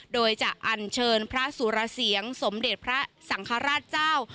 โดยจะอันเชิญพระสุรเสียงสมเด็จพระสังฆราชเจ้า